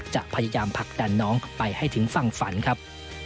จะพยายามผลักดันน้องไปให้ถึงฝั่งฝันครับ